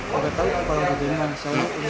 pada tahun kalau ada jalanan selama itu